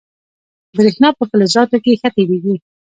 برېښنا په فلزاتو کې ښه تېرېږي.